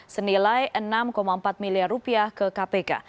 senilai rp enam empat miliar ke kpk